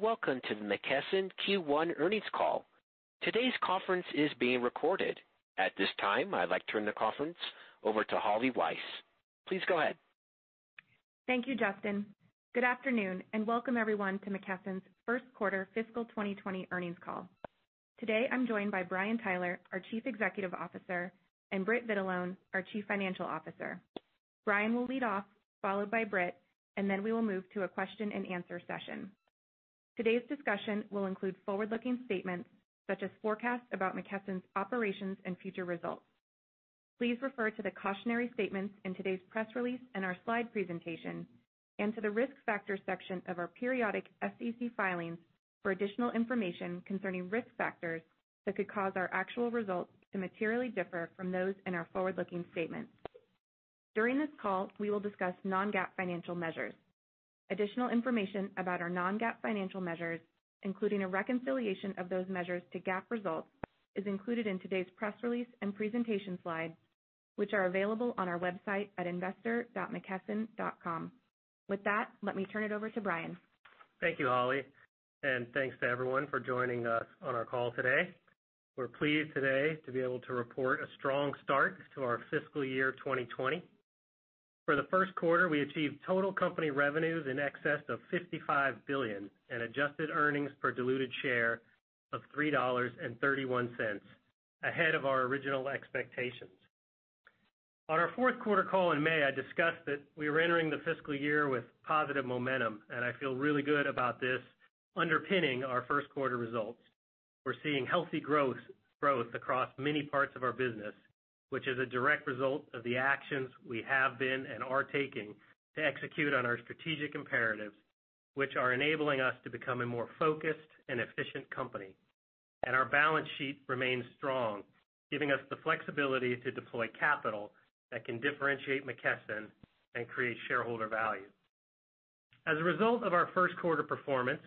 Hey, welcome to the McKesson Q1 earnings call. Today's conference is being recorded. At this time, I'd like to turn the conference over to Holly Weiss. Please go ahead. Thank you, Justin. Good afternoon, and welcome everyone to McKesson's first quarter fiscal 2020 earnings call. Today, I'm joined by Brian Tyler, our Chief Executive Officer, and Britt Vitalone, our Chief Financial Officer. Brian will lead off, followed by Britt, then we will move to a question-and-answer session. Today's discussion will include forward-looking statements, such as forecasts about McKesson's operations and future results. Please refer to the cautionary statements in today's press release and our slide presentation, and to the risk factors section of our periodic SEC filings for additional information concerning risk factors that could cause our actual results to materially differ from those in our forward-looking statements. During this call, we will discuss non-GAAP financial measures. Additional information about our non-GAAP financial measures, including a reconciliation of those measures to GAAP results, is included in today's press release and presentation slides, which are available on our website at investor.mckesson.com. With that, let me turn it over to Brian. Thank you, Holly. Thanks to everyone for joining us on our call today. We're pleased today to be able to report a strong start to our fiscal year 2020. For the first quarter, we achieved total company revenues in excess of $55 billion and adjusted earnings per diluted share of $3.31, ahead of our original expectations. On our fourth quarter call in May, I discussed that we were entering the fiscal year with positive momentum, and I feel really good about this underpinning our first quarter results. We're seeing healthy growth across many parts of our business, which is a direct result of the actions we have been and are taking to execute on our strategic imperatives, which are enabling us to become a more focused and efficient company. Our balance sheet remains strong, giving us the flexibility to deploy capital that can differentiate McKesson and create shareholder value. As a result of our first quarter performance,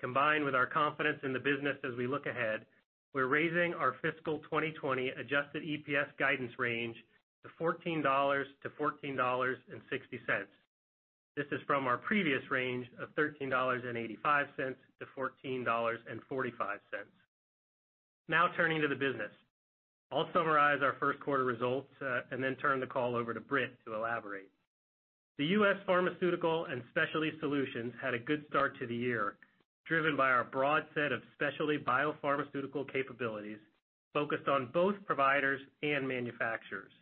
combined with our confidence in the business as we look ahead, we're raising our fiscal 2020 adjusted EPS guidance range to $14-$14.60. This is from our previous range of $13.85-$14.45. Turning to the business. I'll summarize our first quarter results, then turn the call over to Britt to elaborate. The U.S. Pharmaceutical and Specialty Solutions had a good start to the year, driven by our broad set of specialty biopharmaceutical capabilities, focused on both providers and manufacturers.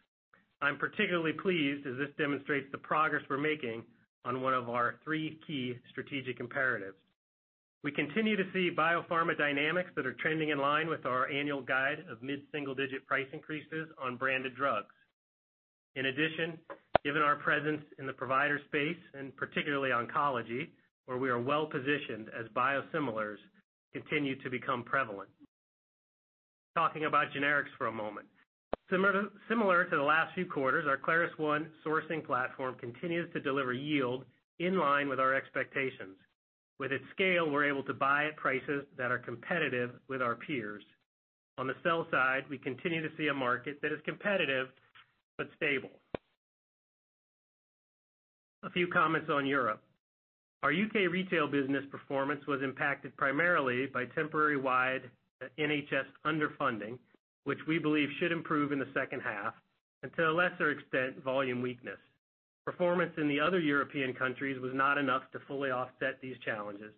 I'm particularly pleased as this demonstrates the progress we're making on one of our three key strategic imperatives. We continue to see biopharma dynamics that are trending in line with our annual guide of mid-single-digit price increases on branded drugs. In addition, given our presence in the provider space, and particularly oncology, where we are well-positioned as biosimilars continue to become prevalent. Talking about generics for a moment. Similar to the last few quarters, our ClarusONE Sourcing platform continues to deliver yield in line with our expectations. With its scale, we're able to buy at prices that are competitive with our peers. On the sell side, we continue to see a market that is competitive but stable. A few comments on Europe. Our U.K. retail business performance was impacted primarily by temporary wide NHS underfunding, which we believe should improve in the second half, and to a lesser extent, volume weakness. Performance in the other European countries was not enough to fully offset these challenges.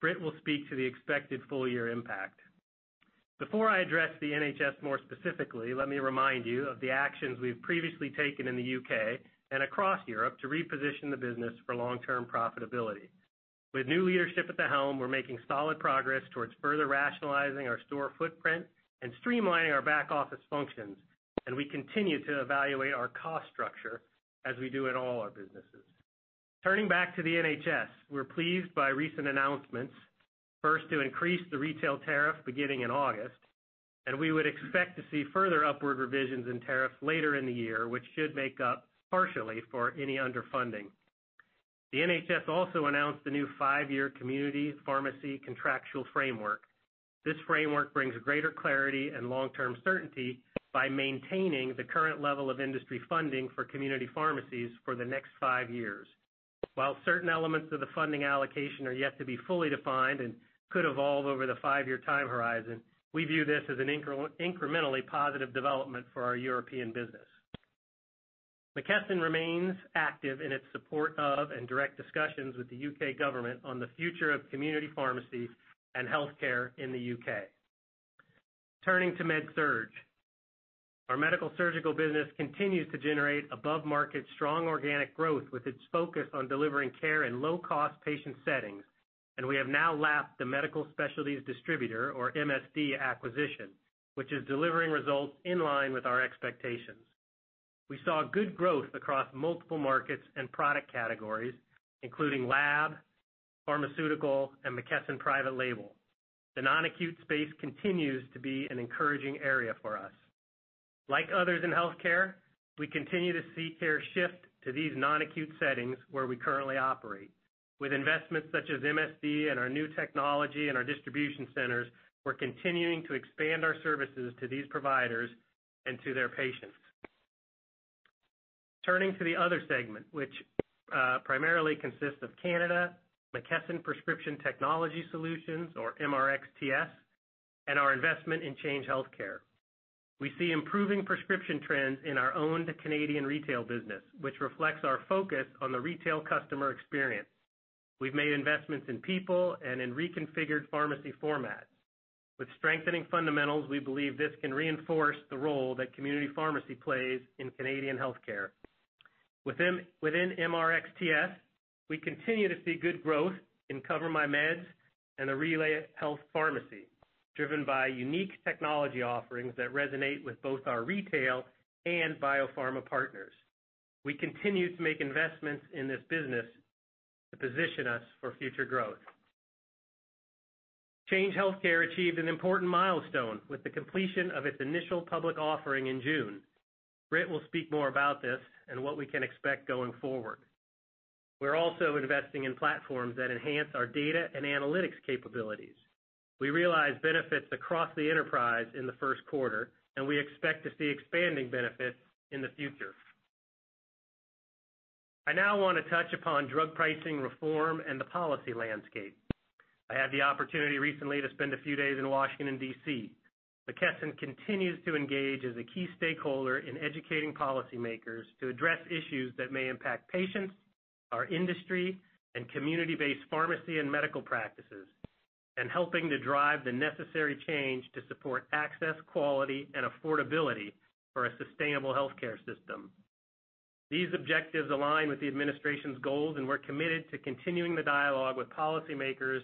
Britt will speak to the expected full-year impact. Before I address the NHS more specifically, let me remind you of the actions we've previously taken in the U.K. and across Europe to reposition the business for long-term profitability. With new leadership at the helm, we're making solid progress towards further rationalizing our store footprint and streamlining our back-office functions. We continue to evaluate our cost structure as we do in all our businesses. Turning back to the NHS, we're pleased by recent announcements, first to increase the retail tariff beginning in August. We would expect to see further upward revisions in tariffs later in the year, which should make up partially for any underfunding. The NHS also announced the new five-year Community Pharmacy Contractual Framework. This framework brings greater clarity and long-term certainty by maintaining the current level of industry funding for community pharmacies for the next five years. While certain elements of the funding allocation are yet to be fully defined and could evolve over the five-year time horizon, we view this as an incrementally positive development for our European business. McKesson remains active in its support of and direct discussions with the U.K. government on the future of community pharmacy and healthcare in the U.K. Turning to MedSurg. Our Medical-Surgical business continues to generate above-market strong organic growth with its focus on delivering care in low-cost patient settings, and we have now lapped the Medical Specialties Distributors, or MSD acquisition, which is delivering results in line with our expectations. We saw good growth across multiple markets and product categories, including lab, pharmaceutical, and McKesson private label. The non-acute space continues to be an encouraging area for us. Like others in healthcare, we continue to see care shift to these non-acute settings where we currently operate. With investments such as MSD and our new technology and our distribution centers, we're continuing to expand our services to these providers and to their patients. Turning to the other segment, which primarily consists of Canada, McKesson Prescription Technology Solutions, or MRxTS, and our investment in Change Healthcare. We see improving prescription trends in our owned Canadian retail business, which reflects our focus on the retail customer experience. We've made investments in people and in reconfigured pharmacy formats. With strengthening fundamentals, we believe this can reinforce the role that community pharmacy plays in Canadian Healthcare. Within MRxTS, we continue to see good growth in CoverMyMeds and RelayHealth Pharmacy Solutions, driven by unique technology offerings that resonate with both our retail and biopharma partners. We continue to make investments in this business to position us for future growth. Change Healthcare achieved an important milestone with the completion of its initial public offering in June. Britt will speak more about this and what we can expect going forward. We're also investing in platforms that enhance our data and analytics capabilities. We realized benefits across the enterprise in the first quarter, and we expect to see expanding benefits in the future. I now want to touch upon drug pricing reform and the policy landscape. I had the opportunity recently to spend a few days in Washington, D.C. McKesson continues to engage as a key stakeholder in educating policymakers to address issues that may impact patients, our industry, and community-based pharmacy and medical practices, and helping to drive the necessary change to support access, quality, and affordability for a sustainable healthcare system. These objectives align with the administration's goals, and we're committed to continuing the dialogue with policymakers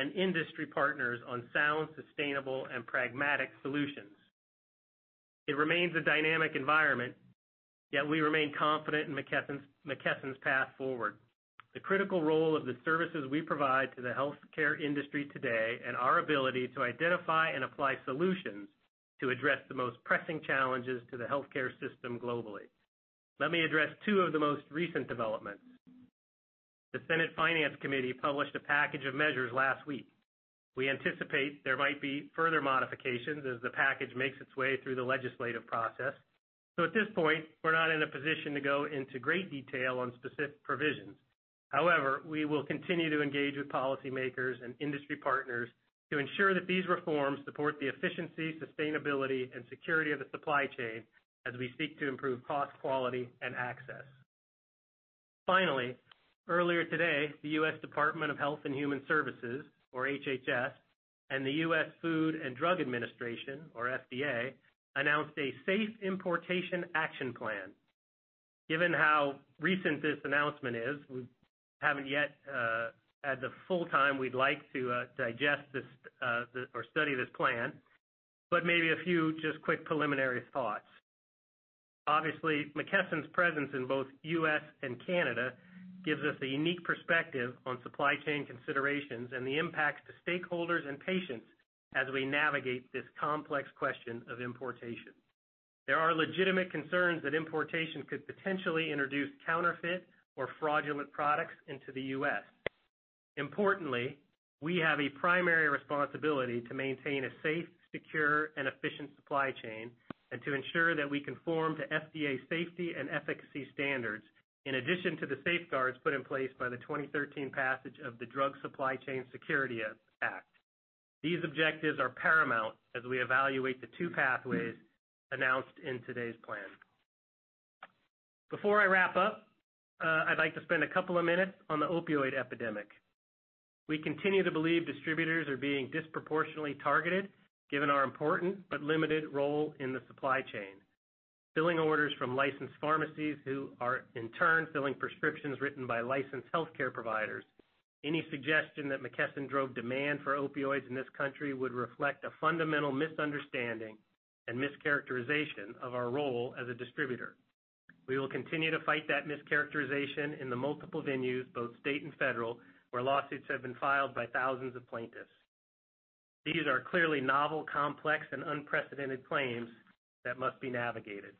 and industry partners on sound, sustainable, and pragmatic solutions. It remains a dynamic environment, yet we remain confident in McKesson's path forward, the critical role of the services we provide to the healthcare industry today, and our ability to identify and apply solutions to address the most pressing challenges to the healthcare system globally. Let me address two of the most recent developments. The Senate Finance Committee published a package of measures last week. We anticipate there might be further modifications as the package makes its way through the legislative process. At this point, we're not in a position to go into great detail on specific provisions. However, we will continue to engage with policymakers and industry partners to ensure that these reforms support the efficiency, sustainability, and security of the supply chain as we seek to improve cost, quality, and access. Finally, earlier today, the U.S. Department of Health and Human Services, or HHS, and the U.S. Food and Drug Administration, or FDA, announced a Safe Importation Action Plan. Given how recent this announcement is, we haven't yet had the full time we'd like to digest or study this plan, but maybe a few just quick preliminary thoughts. Obviously, McKesson's presence in both U.S. and Canada gives us a unique perspective on supply chain considerations and the impacts to stakeholders and patients as we navigate this complex question of importation. There are legitimate concerns that importation could potentially introduce counterfeit or fraudulent products into the U.S. Importantly, we have a primary responsibility to maintain a safe, secure, and efficient supply chain and to ensure that we conform to FDA safety and efficacy standards, in addition to the safeguards put in place by the 2013 passage of the Drug Supply Chain Security Act. These objectives are paramount as we evaluate the two pathways announced in today's plan. Before I wrap up, I'd like to spend a couple of minutes on the opioid epidemic. We continue to believe distributors are being disproportionately targeted given our important but limited role in the supply chain. Filling orders from licensed pharmacies who are, in turn, filling prescriptions written by licensed healthcare providers. Any suggestion that McKesson drove demand for opioids in this country would reflect a fundamental misunderstanding and mischaracterization of our role as a distributor. We will continue to fight that mischaracterization in the multiple venues, both state and federal, where lawsuits have been filed by thousands of plaintiffs. These are clearly novel, complex, and unprecedented claims that must be navigated,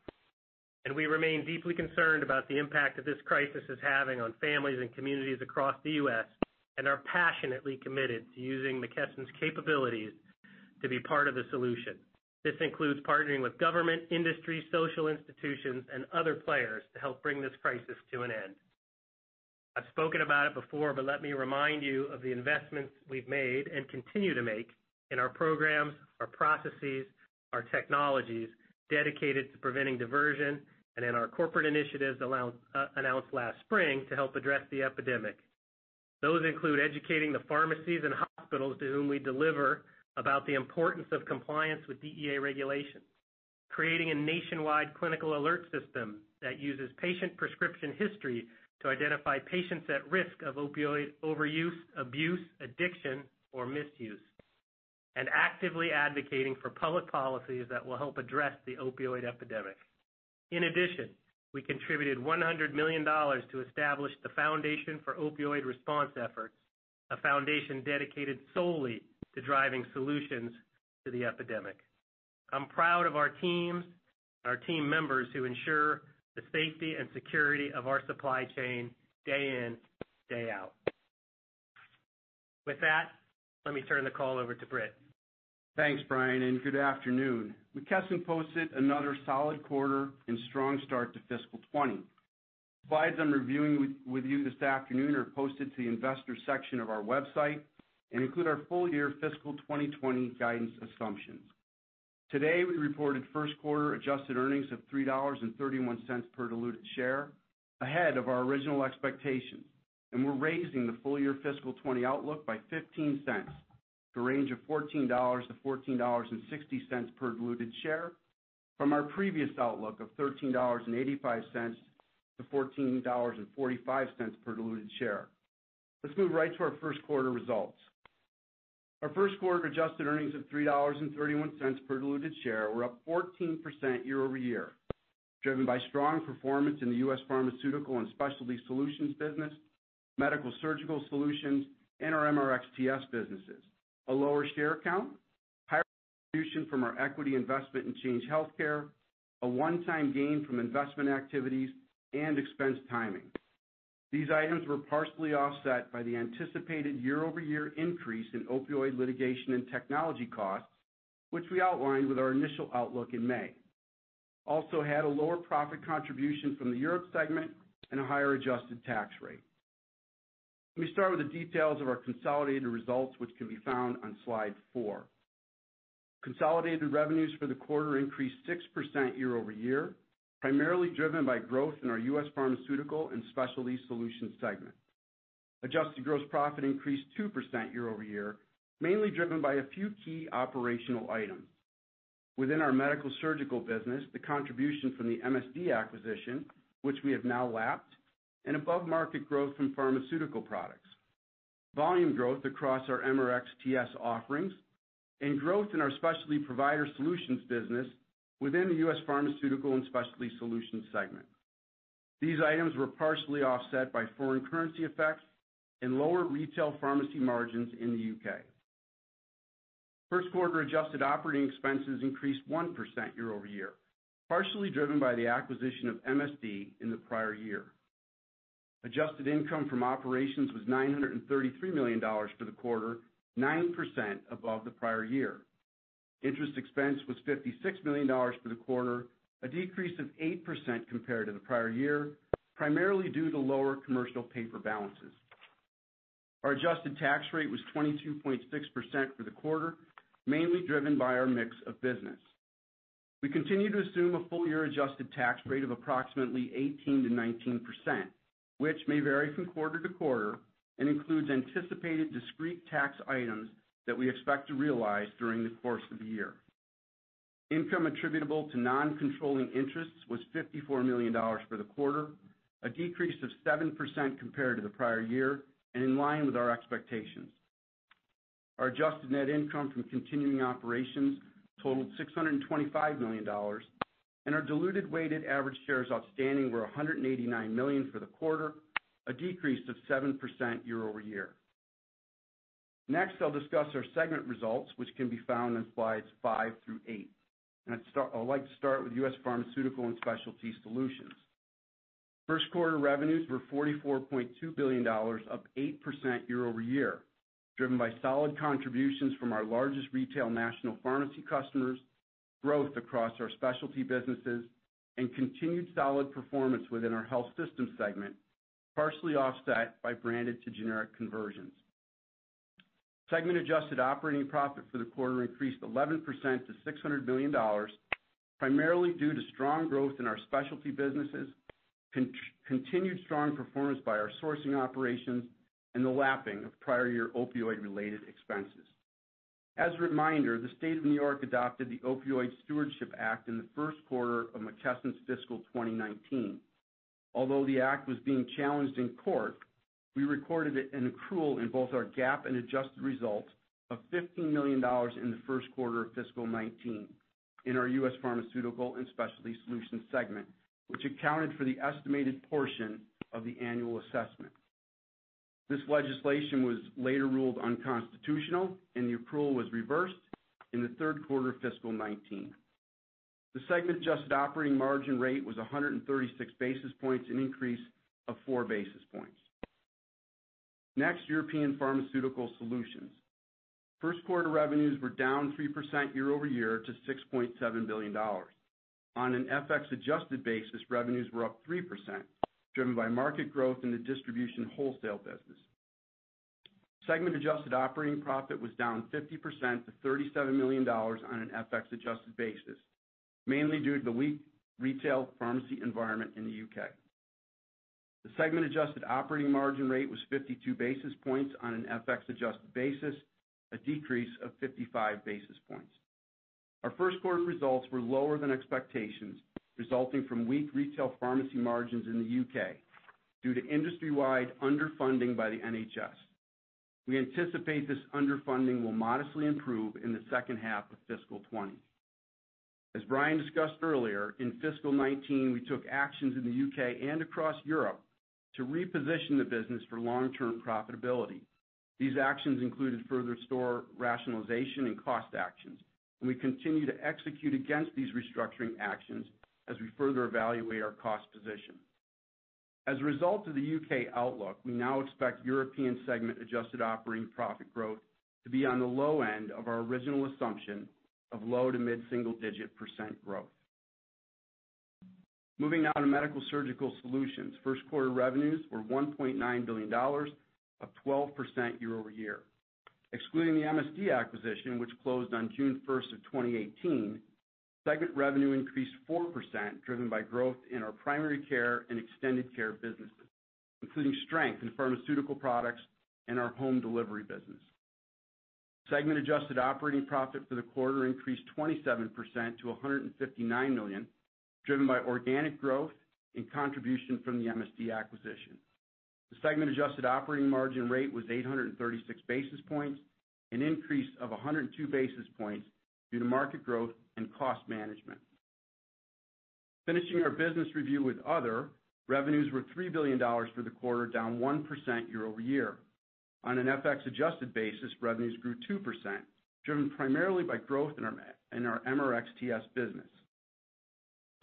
and we remain deeply concerned about the impact that this crisis is having on families and communities across the U.S. and are passionately committed to using McKesson's capabilities to be part of the solution. This includes partnering with government, industry, social institutions, and other players to help bring this crisis to an end. I've spoken about it before, but let me remind you of the investments we've made and continue to make in our programs, our processes, our technologies dedicated to preventing diversion, and in our corporate initiatives announced last spring to help address the epidemic. Those include educating the pharmacies and hospitals to whom we deliver about the importance of compliance with DEA regulations, creating a nationwide clinical alert system that uses patient prescription history to identify patients at risk of opioid overuse, abuse, addiction, or misuse, and actively advocating for public policies that will help address the opioid epidemic. In addition, we contributed $100 million to establish the Foundation for Opioid Response Efforts, a foundation dedicated solely to driving solutions to the epidemic. I'm proud of our teams, our team members who ensure the safety and security of our supply chain day in, day out. With that, let me turn the call over to Britt. Thanks, Brian. Good afternoon. McKesson posted another solid quarter and strong start to fiscal 2020. The slides I'm reviewing with you this afternoon are posted to the investor section of our website and include our full year fiscal 2020 guidance assumptions. Today, we reported first quarter adjusted earnings of $3.31 per diluted share, ahead of our original expectations. We're raising the full year fiscal 2020 outlook by $0.15 to a range of $14-$14.60 per diluted share from our previous outlook of $13.85-$14.45 per diluted share. Let's move right to our first quarter results. Our first quarter adjusted earnings of $3.31 per diluted share were up 14% year-over-year, driven by strong performance in the U.S. Pharmaceutical and Specialty Solutions business, Medical-Surgical Solutions, and our MRxTS businesses. A lower share count, higher contribution from our equity investment in Change Healthcare, a one-time gain from investment activities, and expense timing. These items were partially offset by the anticipated year-over-year increase in opioid litigation and technology costs, which we outlined with our initial outlook in May. We also had a lower profit contribution from the Europe segment and a higher adjusted tax rate. Let me start with the details of our consolidated results, which can be found on slide four. Consolidated revenues for the quarter increased 6% year-over-year, primarily driven by growth in our U.S. Pharmaceutical and Specialty Solutions segment. Adjusted gross profit increased 2% year-over-year, mainly driven by a few key operational items. Within our Medical-Surgical business, the contribution from the MSD acquisition, which we have now lapped, and above-market growth in pharmaceutical products. Volume growth across our MRxTS offerings, and growth in our specialty provider solutions business within the U.S. Pharmaceutical and Specialty Solutions segment. These items were partially offset by foreign currency effects and lower retail pharmacy margins in the U.K. First quarter adjusted operating expenses increased 1% year-over-year, partially driven by the acquisition of MSD in the prior year. Adjusted income from operations was $933 million for the quarter, 9% above the prior year. Interest expense was $56 million for the quarter, a decrease of 8% compared to the prior year, primarily due to lower commercial paper balances. Our adjusted tax rate was 22.6% for the quarter, mainly driven by our mix of business. We continue to assume a full year adjusted tax rate of approximately 18%-19%, which may vary from quarter-to-quarter and includes anticipated discrete tax items that we expect to realize during the course of the year. Income attributable to non-controlling interests was $54 million for the quarter, a decrease of 7% compared to the prior year, and in line with our expectations. Our adjusted net income from continuing operations totaled $625 million, and our diluted weighted average shares outstanding were 189 million for the quarter, a decrease of 7% year-over-year. Next, I'll discuss our segment results, which can be found on slides five through eight. I'd like to start with U.S. Pharmaceutical and Specialty Solutions. First quarter revenues were $44.2 billion, up 8% year-over-year, driven by solid contributions from our largest retail national pharmacy customers, growth across our specialty businesses, and continued solid performance within our health system segment, partially offset by branded to generic conversions. Segment adjusted operating profit for the quarter increased 11% to $600 million, primarily due to strong growth in our specialty businesses, continued strong performance by our sourcing operations, and the lapping of prior year opioid-related expenses. As a reminder, the State of New York adopted the Opioid Stewardship Act in the first quarter of McKesson's fiscal 2019. Although the act was being challenged in court, we recorded an accrual in both our GAAP and adjusted results of $15 million in the first quarter of fiscal 2019 in our U.S. Pharmaceutical and Specialty Solutions segment, which accounted for the estimated portion of the annual assessment. This legislation was later ruled unconstitutional. The accrual was reversed in the third quarter of fiscal 2019. The segment-adjusted operating margin rate was 136 basis points, an increase of four basis points. Next, European Pharmaceutical Solutions. First quarter revenues were down 3% year-over-year to $6.7 billion. On an FX adjusted basis, revenues were up 3%, driven by market growth in the distribution wholesale business. Segment adjusted operating profit was down 50% to $37 million on an FX adjusted basis, mainly due to the weak retail pharmacy environment in the U.K. The segment adjusted operating margin rate was 52 basis points on an FX adjusted basis, a decrease of 55 basis points. Our first quarter results were lower than expectations, resulting from weak retail pharmacy margins in the U.K. due to industry-wide underfunding by the NHS. We anticipate this underfunding will modestly improve in the second half of fiscal 2020. As Brian discussed earlier, in fiscal 2019, we took actions in the U.K. and across Europe to reposition the business for long-term profitability. These actions included further store rationalization and cost actions, and we continue to execute against these restructuring actions as we further evaluate our cost position. As a result of the U.K. outlook, we now expect European segment adjusted operating profit growth to be on the low end of our original assumption of low to mid single-digit percent growth. Moving now to Medical-Surgical Solutions. First quarter revenues were $1.9 billion, up 12% year-over-year. Excluding the MSD acquisition, which closed on June 1st, 2018, segment revenue increased 4%, driven by growth in our primary care and extended care businesses, including strength in pharmaceutical products and our home delivery business. Segment adjusted operating profit for the quarter increased 27% to $159 million, driven by organic growth and contribution from the MSD acquisition. The segment adjusted operating margin rate was 836 basis points, an increase of 102 basis points due to market growth and cost management. Finishing our business review with Other, revenues were $3 billion for the quarter, down 1% year-over-year. On an FX adjusted basis, revenues grew 2%, driven primarily by growth in our MRxTS business.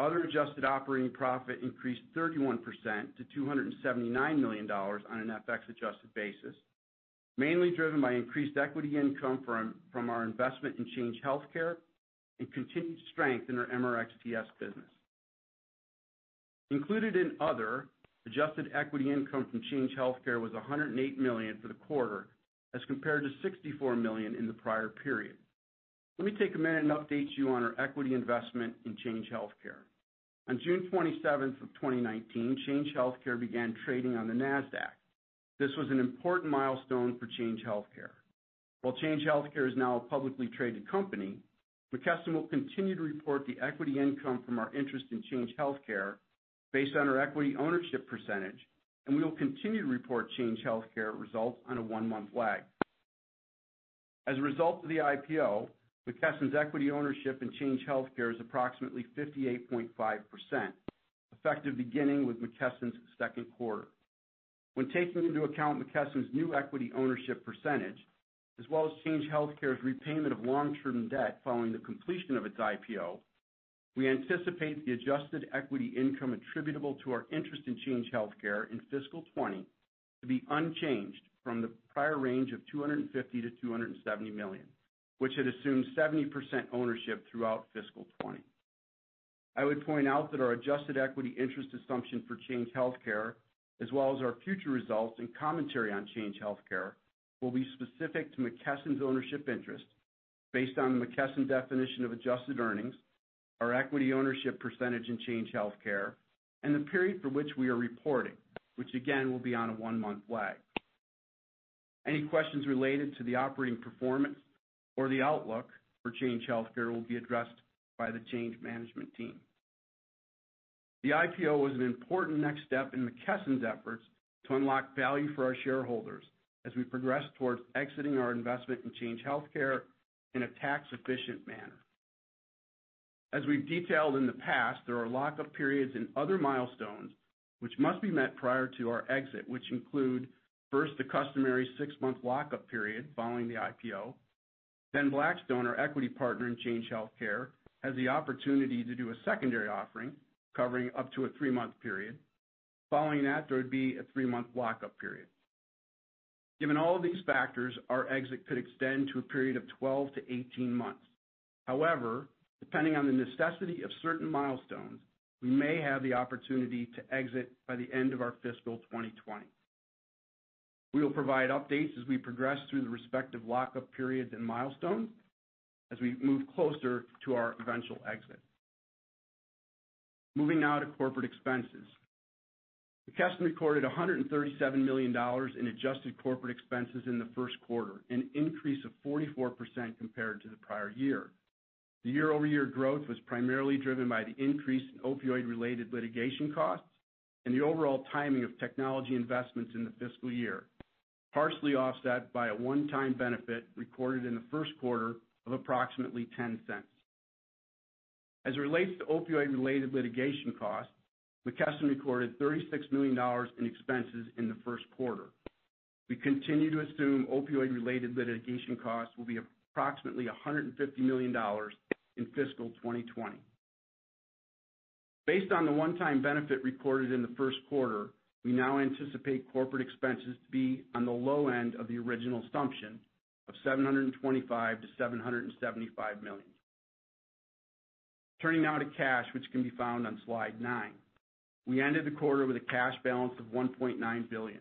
Other adjusted operating profit increased 31% to $279 million on an FX adjusted basis, mainly driven by increased equity income from our investment in Change Healthcare and continued strength in our MRxTS business. Included in other, adjusted equity income from Change Healthcare was $108 million for the quarter as compared to $64 million in the prior period. Let me take a minute and update you on our equity investment in Change Healthcare. On June 27th, 2019, Change Healthcare began trading on the NASDAQ. This was an important milestone for Change Healthcare. While Change Healthcare is now a publicly traded company, McKesson will continue to report the equity income from our interest in Change Healthcare based on our equity ownership percentage, and we will continue to report Change Healthcare results on a one-month lag. As a result of the IPO, McKesson's equity ownership in Change Healthcare is approximately 58.5%, effective beginning with McKesson's second quarter. When taking into account McKesson's new equity ownership percentage, as well as Change Healthcare's repayment of long-term debt following the completion of its IPO, we anticipate the adjusted equity income attributable to our interest in Change Healthcare in fiscal 2020 to be unchanged from the prior range of $250 million-$270 million, which had assumed 70% ownership throughout fiscal 2020. I would point out that our adjusted equity interest assumption for Change Healthcare, as well as our future results and commentary on Change Healthcare, will be specific to McKesson's ownership interest based on McKesson's definition of adjusted earnings, our equity ownership percentage in Change Healthcare, and the period for which we are reporting, which again, will be on a one-month lag. Any questions related to the operating performance or the outlook for Change Healthcare will be addressed by the Change management team. The IPO was an important next step in McKesson's efforts to unlock value for our shareholders as we progress towards exiting our investment in Change Healthcare in a tax-efficient manner. As we've detailed in the past, there are lock-up periods and other milestones which must be met prior to our exit, which include, first, the customary six-month lock-up period following the IPO. Blackstone, our equity partner in Change Healthcare, has the opportunity to do a secondary offering covering up to a three-month period. Following that, there would be a three-month lock-up period. Given all of these factors, our exit could extend to a period of 12-18 months. However, depending on the necessity of certain milestones, we may have the opportunity to exit by the end of our fiscal 2020. We will provide updates as we progress through the respective lock-up periods and milestones as we move closer to our eventual exit. Moving now to corporate expenses. McKesson recorded $137 million in adjusted corporate expenses in the first quarter, an increase of 44% compared to the prior year. The year-over-year growth was primarily driven by the increase in opioid-related litigation costs and the overall timing of technology investments in the fiscal year, partially offset by a one-time benefit recorded in the first quarter of approximately $0.10. As it relates to opioid-related litigation costs, McKesson recorded $36 million in expenses in the first quarter. We continue to assume opioid-related litigation costs will be approximately $150 million in fiscal 2020. Based on the one-time benefit recorded in the first quarter, we now anticipate corporate expenses to be on the low end of the original assumption of $725 million-$775 million. Turning now to cash, which can be found on slide nine. We ended the quarter with a cash balance of $1.9 billion.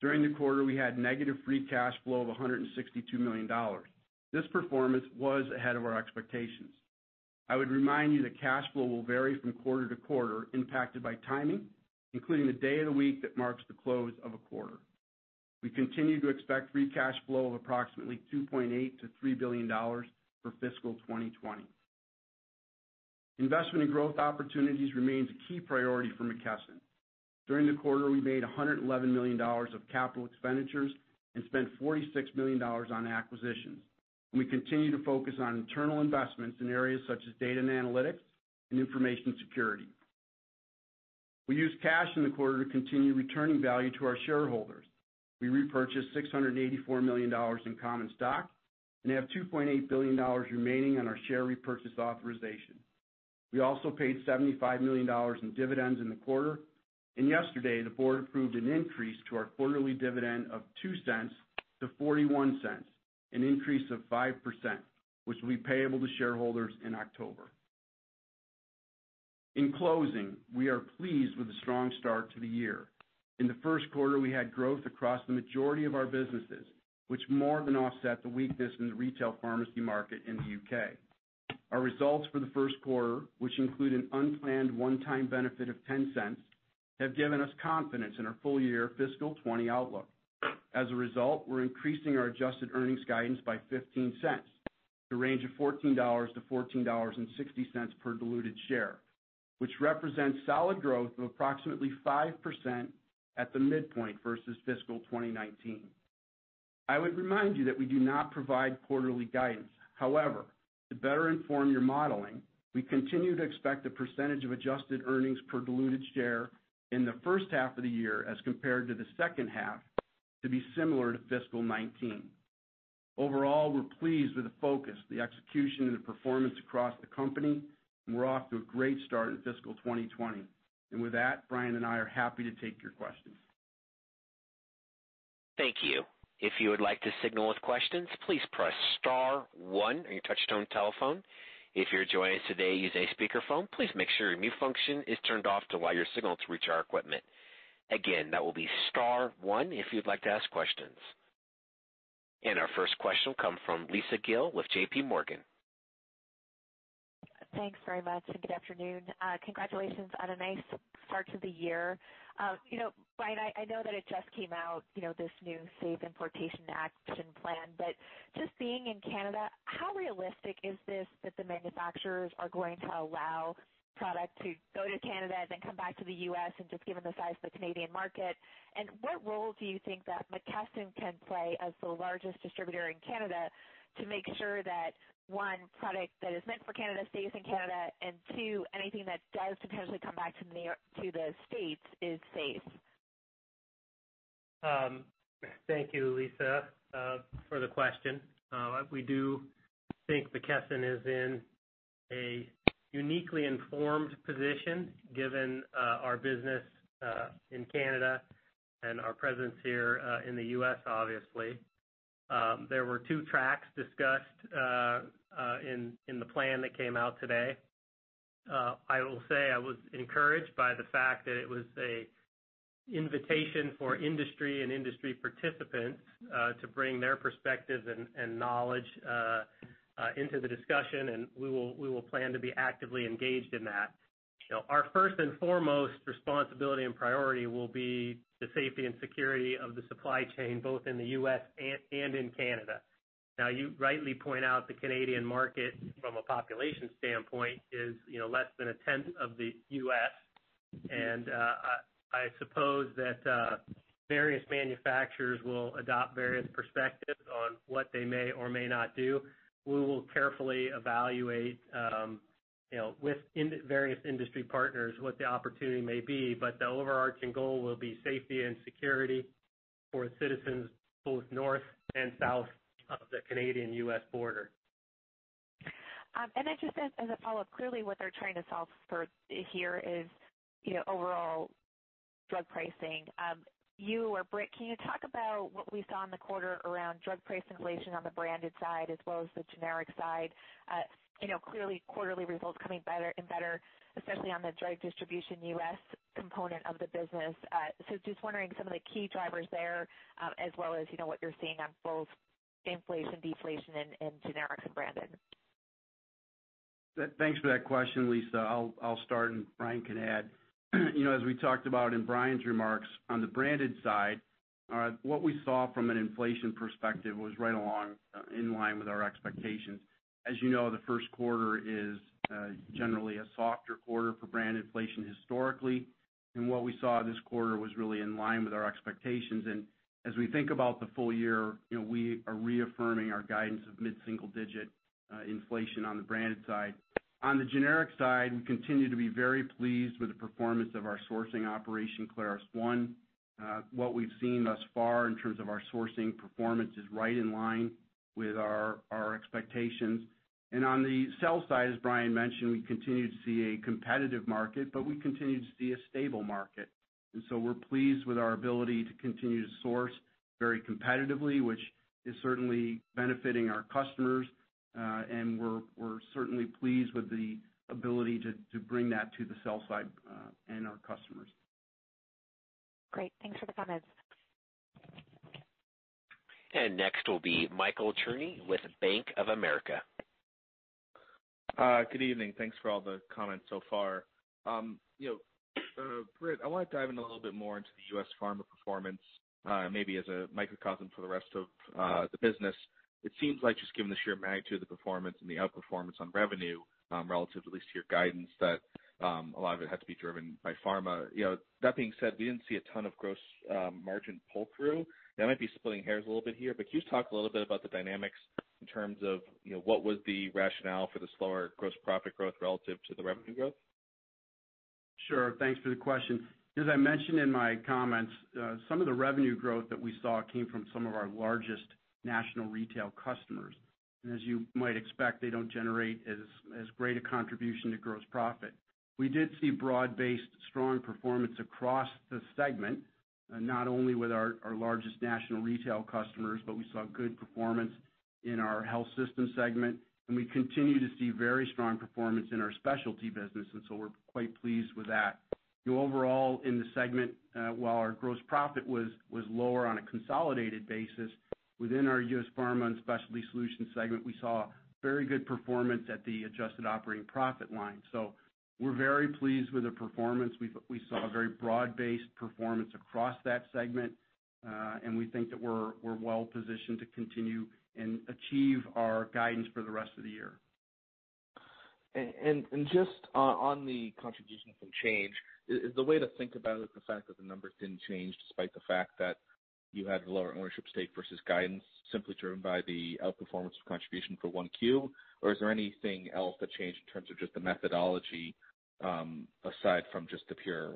During the quarter, we had negative free cash flow of $162 million. This performance was ahead of our expectations. I would remind you that cash flow will vary from quarter-to-quarter, impacted by timing, including the day of the week that marks the close of a quarter. We continue to expect free cash flow of approximately $2.8 billion-$3 billion for fiscal 2020. Investment in growth opportunities remains a key priority for McKesson. During the quarter, we made $111 million of capital expenditures and spent $46 million on acquisitions. We continue to focus on internal investments in areas such as data and analytics and information security. We used cash in the quarter to continue returning value to our shareholders. We repurchased $684 million in common stock and have $2.8 billion remaining on our share repurchase authorization. We also paid $75 million in dividends in the quarter, and yesterday the board approved an increase to our quarterly dividend of $0.02-$0.41, an increase of 5%, which will be payable to shareholders in October. In closing, we are pleased with the strong start to the year. In the first quarter, we had growth across the majority of our businesses, which more than offset the weakness in the retail pharmacy market in the U.K. Our results for the first quarter, which include an unplanned one-time benefit of $0.10, have given us confidence in our full-year fiscal 2020 outlook. We're increasing our adjusted earnings guidance by $0.15, to a range of $14-$14.60 per diluted share, which represents solid growth of approximately 5% at the midpoint versus fiscal 2019. I would remind you that we do not provide quarterly guidance. To better inform your modeling, we continue to expect a percentage of adjusted earnings per diluted share in the first half of the year as compared to the second half to be similar to fiscal 2019. We're pleased with the focus, the execution, and the performance across the company, and we're off to a great start in fiscal 2020. With that, Brian and I are happy to take your questions. Thank you. If you would like to signal with questions, please press star one on your touchtone telephone. If you're joining us today using a speakerphone, please make sure your mute function is turned off to allow your signal to reach our equipment. Again, that will be star one if you'd like to ask questions. Our first question will come from Lisa Gill with JPMorgan. Thanks very much. Good afternoon. Congratulations on a nice start to the year. Brian, I know that it just came out, this new Safe Importation Action Plan. Just being in Canada, how realistic is this that the manufacturers are going to allow product to go to Canada, then come back to the U.S. and just given the size of the Canadian market? What role do you think that McKesson can play as the largest distributor in Canada to make sure that, one, product that is meant for Canada stays in Canada, and two, anything that does potentially come back to the States is safe? Thank you, Lisa, for the question. We do think McKesson is in a uniquely informed position given our business in Canada and our presence here in the U.S., obviously. There were two tracks discussed in the plan that came out today. I will say I was encouraged by the fact that it was a invitation for industry and industry participants to bring their perspective and knowledge into the discussion, and we will plan to be actively engaged in that. Our first and foremost responsibility and priority will be the safety and security of the supply chain, both in the U.S. and in Canada. You rightly point out the Canadian market from a population standpoint is less than a 10th of the U.S. I suppose that various manufacturers will adopt various perspectives on what they may or may not do. We will carefully evaluate with various industry partners what the opportunity may be, but the overarching goal will be safety and security for citizens both north and south of the Canadian-U.S. border. I just, as a follow-up, clearly what they're trying to solve for here is overall drug pricing. You or Britt, can you talk about what we saw in the quarter around drug price inflation on the branded side as well as the generic side? Clearly, quarterly results coming better and better, especially on the drug distribution U.S. component of the business. Just wondering some of the key drivers there as well as what you're seeing on both inflation, deflation, and generic and branded. Thanks for that question, Lisa. I'll start, and Brian can add. As we talked about in Brian's remarks, on the branded side, what we saw from an inflation perspective was right along in line with our expectations. As you know, the first quarter is generally a softer quarter for brand inflation historically. What we saw this quarter was really in line with our expectations. As we think about the full year, we are reaffirming our guidance of mid-single-digit inflation on the branded side. On the generic side, we continue to be very pleased with the performance of our sourcing operation, ClarusONE. What we've seen thus far in terms of our sourcing performance is right in line with our expectations. On the sell side, as Brian mentioned, we continue to see a competitive market, but we continue to see a stable market. We're pleased with our ability to continue to source very competitively, which is certainly benefiting our customers. We're certainly pleased with the ability to bring that to the sell side and our customers. Great. Thanks for the comments. Next will be Michael Cherny with Bank of America. Good evening. Thanks for all the comments so far. Britt, I want to dive in a little bit more into the U.S. Pharma performance, maybe as a microcosm for the rest of the business. It seems like just given the sheer magnitude of the performance and the outperformance on revenue, relative at least to your guidance, that a lot of it had to be driven by pharma. We didn't see a ton of gross margin pull-through. That might be splitting hairs a little bit here, can you just talk a little bit about the dynamics in terms of what was the rationale for the slower gross profit growth relative to the revenue growth? Sure. Thanks for the question. As I mentioned in my comments, some of the revenue growth that we saw came from some of our largest national retail customers. As you might expect, they don't generate as great a contribution to gross profit. We did see broad-based strong performance across the segment, not only with our largest national retail customers, but we saw good performance in our health system segment, and we continue to see very strong performance in our specialty business, so we're quite pleased with that. Overall, in the segment, while our gross profit was lower on a consolidated basis, within our U.S. Pharmaceutical and Specialty Solutions segment, we saw very good performance at the adjusted operating profit line. We're very pleased with the performance. We saw a very broad-based performance across that segment, and we think that we're well positioned to continue and achieve our guidance for the rest of the year. Just on the contribution from Change, is the way to think about it the fact that the numbers didn't change despite the fact that you had lower ownership stake versus guidance simply driven by the outperformance of contribution for 1Q? Or is there anything else that changed in terms of just the methodology, aside from just the pure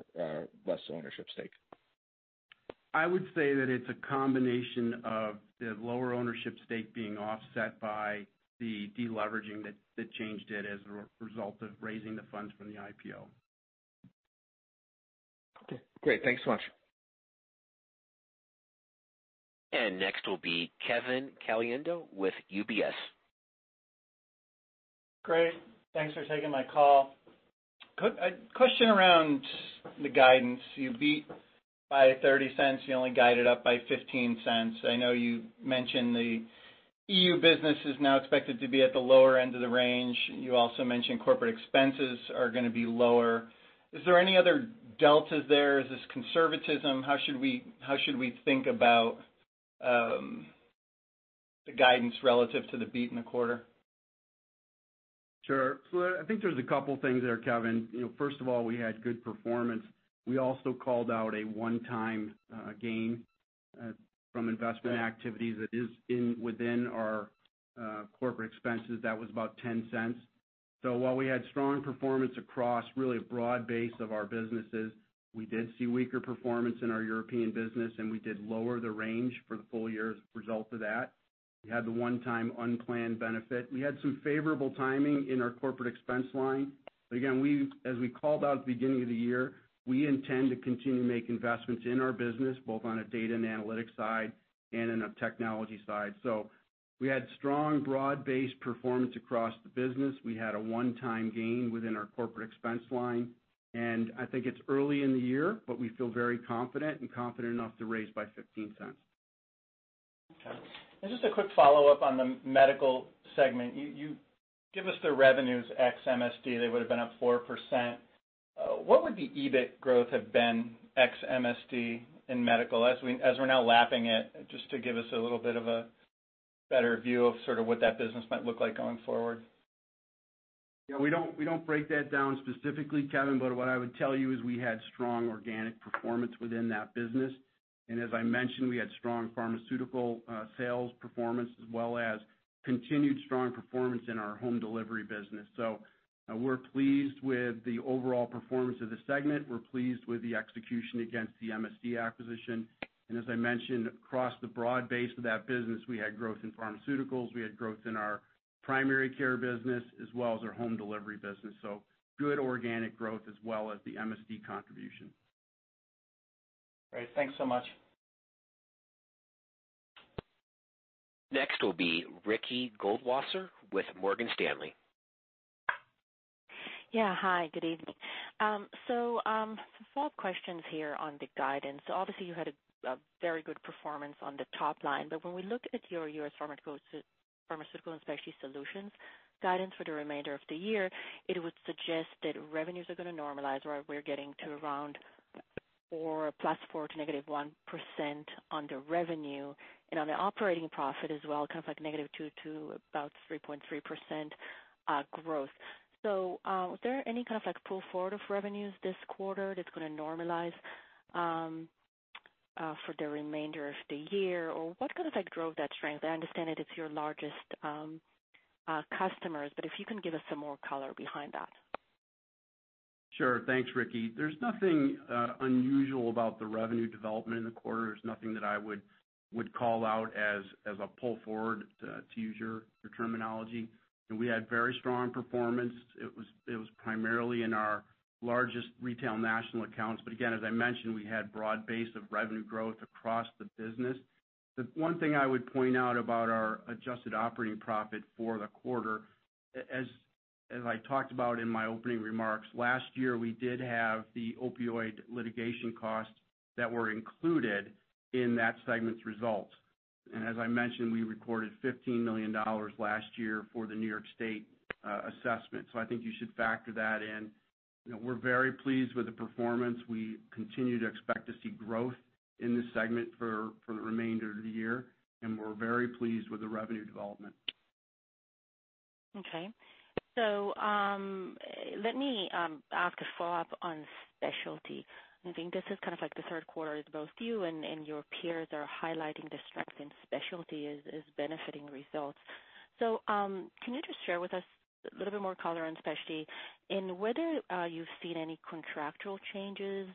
less ownership stake? I would say that it's a combination of the lower ownership stake being offset by the de-leveraging that Change did as a result of raising the funds from the IPO. Okay, great. Thanks so much. Next will be Kevin Caliendo with UBS. Great. Thanks for taking my call. A question around the guidance. You beat by $0.30, you only guided up by $0.15. I know you mentioned the EU business is now expected to be at the lower end of the range. You also mentioned corporate expenses are going to be lower. Is there any other deltas there? Is this conservatism? How should we think about the guidance relative to the beat in the quarter? Sure. I think there's a couple things there, Kevin. First of all, we had good performance. We also called out a one-time gain from investment activities that is within our corporate expenses. That was about $0.10. So while we had strong performance across really a broad base of our businesses, we did see weaker performance in our European business, and we did lower the range for the full year as a result of that. We had the one-time unplanned benefit. We had some favorable timing in our corporate expense line. Again, as we called out at the beginning of the year, we intend to continue to make investments in our business, both on a data and analytics side and in a technology side. We had strong broad-based performance across the business. We had a one-time gain within our corporate expense line, and I think it's early in the year, but we feel very confident and confident enough to raise by $0.15. Okay. Just a quick follow-up on the Medical-Surgical segment. You give us the revenues ex MSD, they would've been up 4%. What would the EBIT growth have been ex MSD in Medical-Surgical as we're now lapping it, just to give us a little bit of a better view of sort of what that business might look like going forward? Yeah, we don't break that down specifically, Kevin, what I would tell you is we had strong organic performance within that business. As I mentioned, we had strong pharmaceutical sales performance as well as continued strong performance in our home delivery business. We're pleased with the overall performance of the segment. We're pleased with the execution against the MSD acquisition. As I mentioned, across the broad base of that business, we had growth in pharmaceuticals, we had growth in our primary care business as well as our home delivery business. Good organic growth as well as the MSD contribution. Great. Thanks so much. Next will be Ricky Goldwasser with Morgan Stanley. Yeah. Hi, good evening. Follow-up questions here on the guidance. Obviously you had a very good performance on the top line, but when we look at your U.S. Pharmaceutical and Specialty Solutions guidance for the remainder of the year, it would suggest that revenues are going to normalize, or we're getting to around +4% to -1% on the revenue and on the operating profit as well, kind of like -2% to about 3.3% growth. Was there any kind of pull forward of revenues this quarter that's going to normalize for the remainder of the year? What kind of drove that strength? I understand that it's your largest customers, but if you can give us some more color behind that. Sure. Thanks, Ricky. There's nothing unusual about the revenue development in the quarter. There's nothing that I would call out as a pull forward, to use your terminology. We had very strong performance. It was primarily in our largest retail national accounts, but again, as I mentioned, we had broad base of revenue growth across the business. The one thing I would point out about our adjusted operating profit for the quarter, as I talked about in my opening remarks, last year, we did have the opioid litigation costs that were included in that segment's results. As I mentioned, we recorded $15 million last year for the New York State assessment. I think you should factor that in. We're very pleased with the performance. We continue to expect to see growth in this segment for the remainder of the year, and we're very pleased with the revenue development. Okay. Let me ask a follow-up on specialty. I think this is kind of like the third quarter that both you and your peers are highlighting the strength in specialty is benefiting results. Can you just share with us a little bit more color on specialty and whether you've seen any contractual changes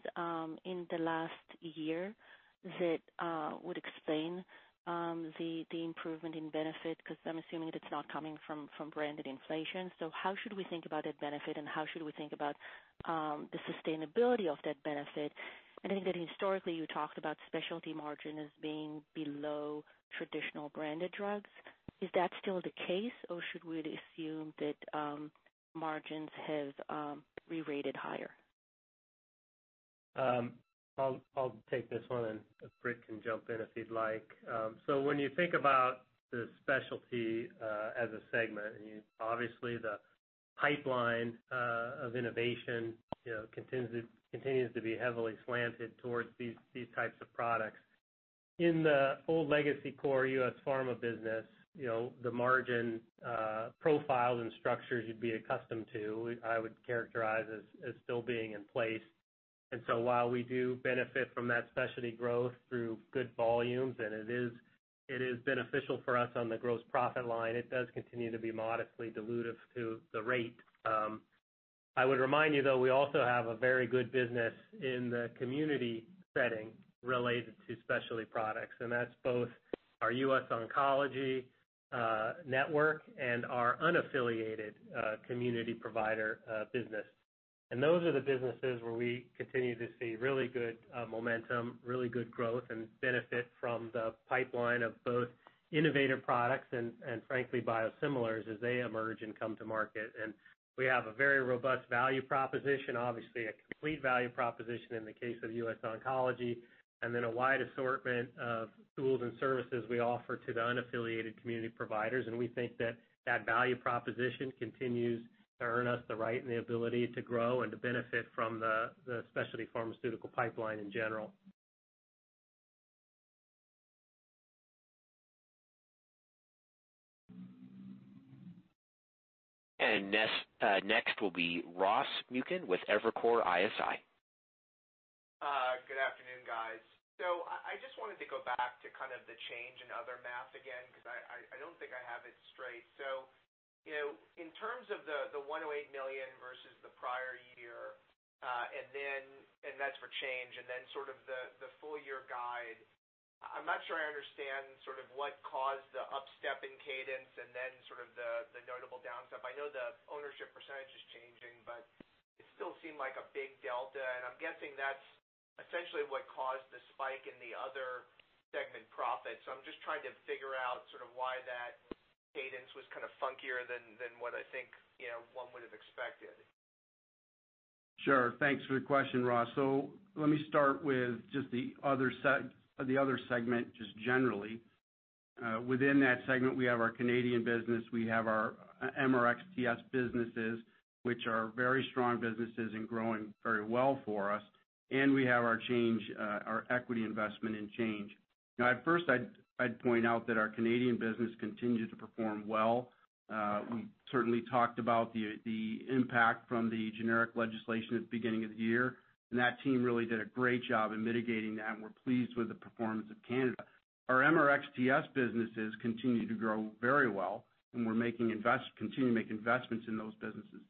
in the last year that would explain the improvement in benefit? Because I'm assuming that it's not coming from branded inflation. How should we think about that benefit, and how should we think about the sustainability of that benefit? I think that historically you talked about specialty margin as being below traditional branded drugs. Is that still the case, or should we assume that margins have rerated higher? I'll take this one, and Britt can jump in if he'd like. When you think about the specialty as a segment, and obviously the pipeline of innovation continues to be heavily slanted towards these types of products. In the old legacy core U.S. Pharma business, the margin profiles and structures you'd be accustomed to, I would characterize as still being in place. While we do benefit from that specialty growth through good volumes, and it is beneficial for us on the gross profit line, it does continue to be modestly dilutive to the rate. I would remind you, though, we also have a very good business in the community setting related to specialty products, and that's both our US Oncology Network and our unaffiliated community provider business. Those are the businesses where we continue to see really good momentum, really good growth, and benefit from the pipeline of both innovative products and frankly, biosimilars as they emerge and come to market. We have a very robust value proposition. Obviously, a complete value proposition in the case of US Oncology, and then a wide assortment of tools and services we offer to the unaffiliated community providers. We think that that value proposition continues to earn us the right and the ability to grow and to benefit from the specialty pharmaceutical pipeline in general. Next will be Ross Muken with Evercore ISI. Good afternoon, guys. I just wanted to go back to kind of the Change in other math again, because I don't think I have it straight. In terms of the $108 million versus the prior year, and that's for Change, and then sort of the full-year guide, I'm not sure I understand sort of what caused the up-step in cadence and then sort of the notable down-step. I know the ownership percentage is changing, but it still seemed like a big delta, and I'm guessing that's essentially what caused the spike in the other segment profits. I'm just trying to figure out sort of why that cadence was funkier than what I think one would have expected. Thanks for the question, Ross. Let me start with just the other segment, just generally. Within that segment, we have our Canadian business, we have our MRxTS businesses, which are very strong businesses and growing very well for us. We have our equity investment in Change. At first, I'd point out that our Canadian business continued to perform well. We certainly talked about the impact from the generic legislation at the beginning of the year, and that team really did a great job in mitigating that, and we're pleased with the performance of Canada. Our MRxTS businesses continue to grow very well, and we're continuing to make investments in those businesses.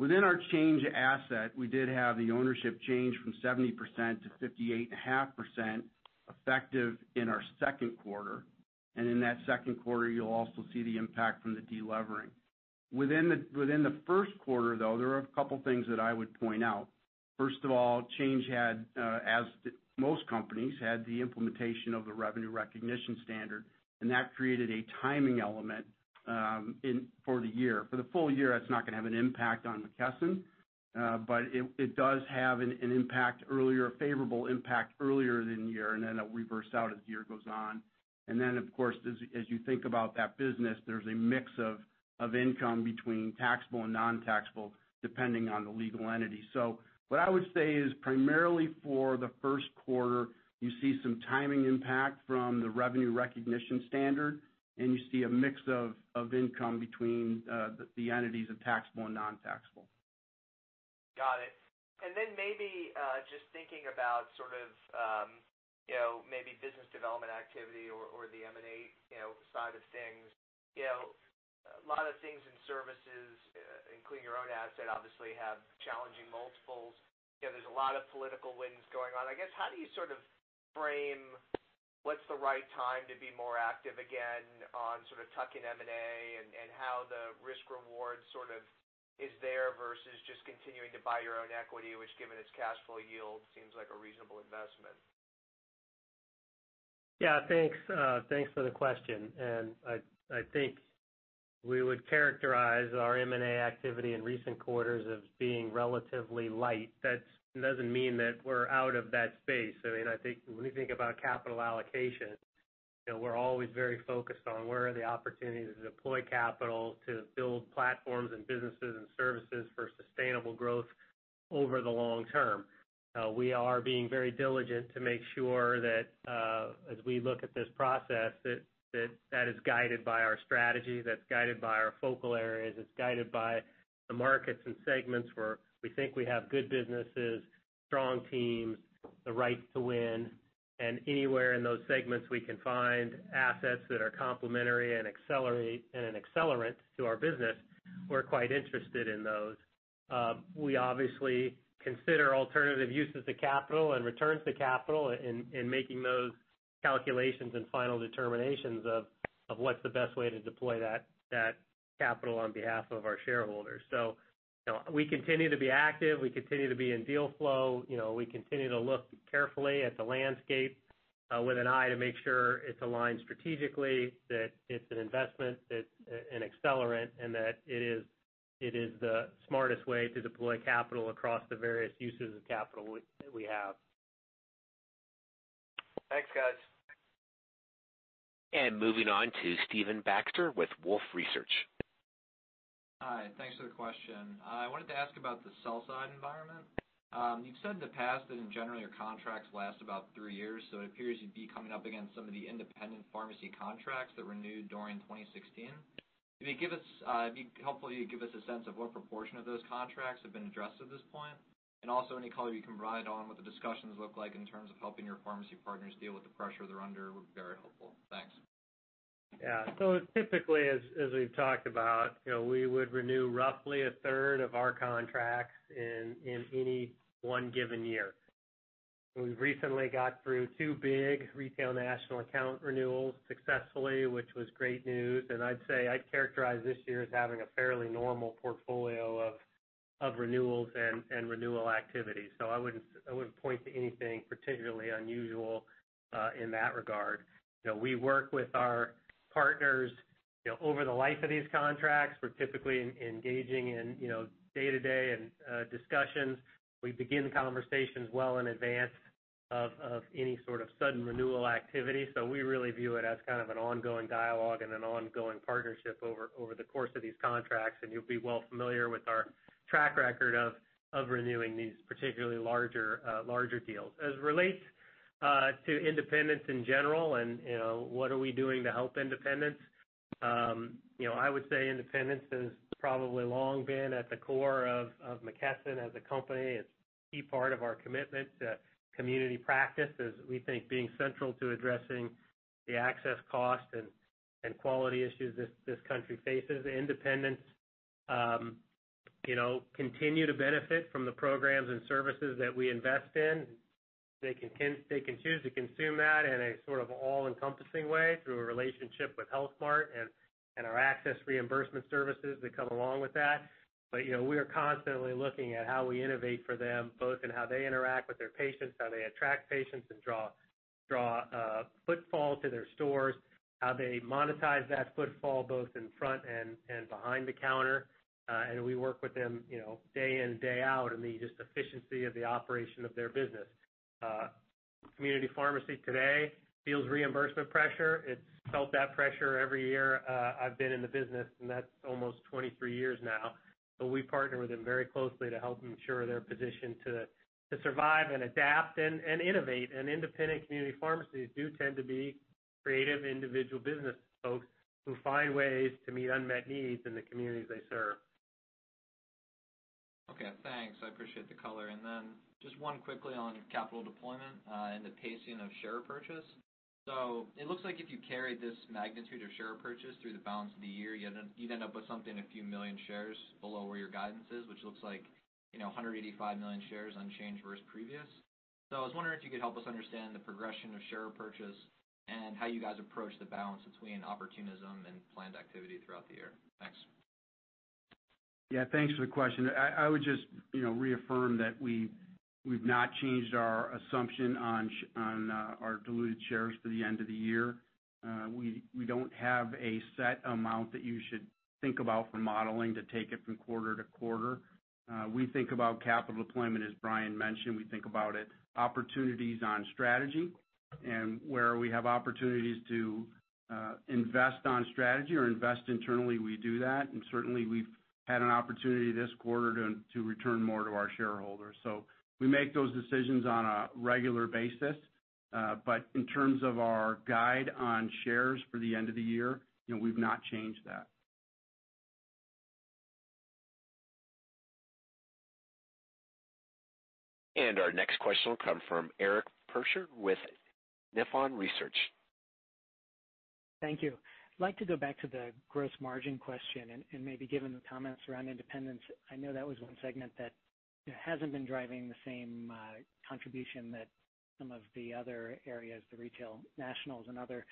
Within our Change asset, we did have the ownership change from 70%-58.5%, effective in our second quarter. In that second quarter, you'll also see the impact from the de-levering. Within the first quarter, though, there are a couple things that I would point out. Change had, as most companies, had the implementation of the revenue recognition standard. That created a timing element for the year. For the full year, that's not going to have an impact on McKesson, it does have a favorable impact earlier in the year. Then it'll reverse out as the year goes on. Of course, as you think about that business, there's a mix of income between taxable and non-taxable, depending on the legal entity. What I would say is primarily for the first quarter, you see some timing impact from the revenue recognition standard. You see a mix of income between the entities of taxable and non-taxable. Got it. Maybe just thinking about sort of maybe business development activity or the M&A side of things. A lot of things in services, including your own asset, obviously have challenging multiples. There's a lot of political winds going on. I guess, how do you sort of frame what's the right time to be more active again on sort of tucking M&A and how the risk/reward sort of is there versus just continuing to buy your own equity, which, given its cash flow yield, seems like a reasonable investment? Yeah. Thanks for the question. I think we would characterize our M&A activity in recent quarters as being relatively light. That doesn't mean that we're out of that space. I mean, when we think about capital allocation, we're always very focused on where are the opportunities to deploy capital to build platforms and businesses and services for sustainable growth over the long term. We are being very diligent to make sure that as we look at this process, that is guided by our strategy, that's guided by our focal areas, it's guided by the markets and segments where we think we have good businesses, strong teams, the right to win. Anywhere in those segments, we can find assets that are complementary and an accelerant to our business, we're quite interested in those. We obviously consider alternative uses of capital and returns to capital in making those calculations and final determinations of what's the best way to deploy that capital on behalf of our shareholders. We continue to be active. We continue to be in deal flow. We continue to look carefully at the landscape with an eye to make sure it's aligned strategically, that it's an investment, it's an accelerant, and that it is the smartest way to deploy capital across the various uses of capital that we have. Thanks, guys. Moving on to Stephen Baxter with Wolfe Research. Hi, thanks for the question. I wanted to ask about the sell-side environment. You've said in the past that in general, your contracts last about three years, so it appears you'd be coming up against some of the independent pharmacy contracts that renewed during 2016. It'd be helpful if you could give us a sense of what proportion of those contracts have been addressed at this point, and also any color you can provide on what the discussions look like in terms of helping your pharmacy partners deal with the pressure they're under would be very helpful. Thanks. Typically, as we've talked about, we would renew roughly a third of our contracts in any one given year. We've recently got through two big retail national account renewals successfully, which was great news. I'd say, I'd characterize this year as having a fairly normal portfolio of renewals and renewal activities. I wouldn't point to anything particularly unusual in that regard. We work with our partners over the life of these contracts. We're typically engaging in day-to-day and discussions. We begin conversations well in advance of any sort of sudden renewal activity. We really view it as kind of an ongoing dialogue and an ongoing partnership over the course of these contracts, and you'll be well familiar with our track record of renewing these particularly larger deals. As it relates to independents in general and what are we doing to help independents, I would say independents has probably long been at the core of McKesson as a company. It's a key part of our commitment to community practice, as we think being central to addressing the access cost and quality issues this country faces. Independents continue to benefit from the programs and services that we invest in. They can choose to consume that in a sort of all-encompassing way through a relationship with Health Mart and our access reimbursement services that come along with that. We are constantly looking at how we innovate for them, both in how they interact with their patients, how they attract patients and draw footfall to their stores, how they monetize that footfall both in front and behind the counter, and we work with them day in, day out in the just efficiency of the operation of their business. Community pharmacy today feels reimbursement pressure. It's felt that pressure every year I've been in the business, and that's almost 23 years now. We partner with them very closely to help ensure they're positioned to survive and adapt and innovate, and independent community pharmacies do tend to be creative individual business folks who find ways to meet unmet needs in the communities they serve. Okay, thanks. I appreciate the color. Then just one quickly on capital deployment and the pacing of share purchase. So it looks like if you carried this magnitude of share purchase through the balance of the year, you'd end up with something a few million shares below where your guidance is, which looks like 185 million shares unchanged versus previous. So I was wondering if you could help us understand the progression of share purchase and how you guys approach the balance between opportunism and planned activity throughout the year. Thanks. Yeah, thanks for the question. I would just reaffirm that we've not changed our assumption on our diluted shares through the end of the year. We don't have a set amount that you should think about for modeling to take it from quarter-to-quarter. We think about capital deployment, as Brian mentioned, we think about it opportunities on strategy and where we have opportunities to invest on strategy or invest internally, we do that, and certainly, we've had an opportunity this quarter to return more to our shareholders. We make those decisions on a regular basis. In terms of our guide on shares for the end of the year, we've not changed that. Our next question will come from Eric Percher with Nephron Research. Thank you. I'd like to go back to the gross margin question and maybe given the comments around independence, I know that was one segment that hasn't been driving the same contribution that some of the other areas, the retail nationals and other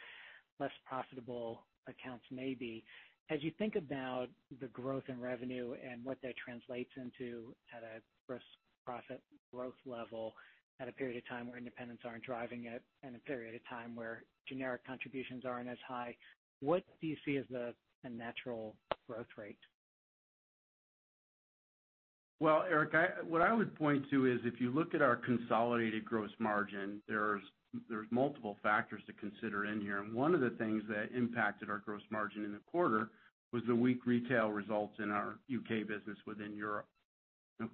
less profitable accounts may be. As you think about the growth in revenue and what that translates into at a gross profit growth level at a period of time where independents aren't driving it and a period of time where generic contributions aren't as high, what do you see as the natural growth rate? Well, Eric, what I would point to is if you look at our consolidated gross margin, there's multiple factors to consider in here, and one of the things that impacted our gross margin in the quarter was the weak retail results in our U.K. business within Europe.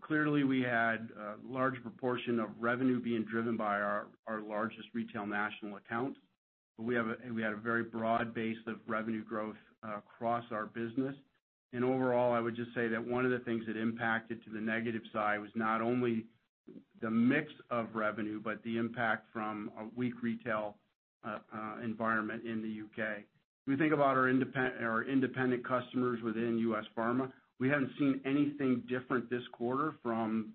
Clearly, we had a large proportion of revenue being driven by our largest retail national accounts. We have a very broad base of revenue growth across our business. Overall, I would just say that one of the things that impacted to the negative side was not only the mix of revenue, but the impact from a weak retail environment in the U.K. If we think about our independent customers within U.S. Pharma, we haven't seen anything different this quarter from